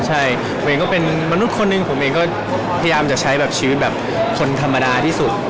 ใช่ผมก็เป็นมนุษย์คนหนึ่งผมเองก็พยายามจะใช้แบบชีวิตแบบคนธรรมดาที่สุด